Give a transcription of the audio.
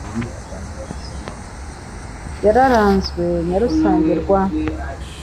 wararanzwe Nyarusange rwa